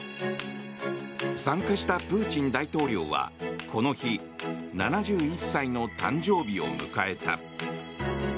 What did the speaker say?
参加したプーチン大統領はこの日７１歳の誕生日を迎えた。